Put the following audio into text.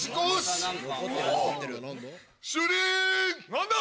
何だ？